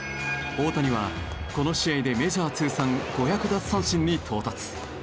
大谷はこの試合でメジャー通算５００奪三振に到達。